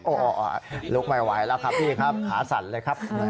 โอ้โหลุกไม่ไหวแล้วครับพี่ครับขาสั่นเลยครับ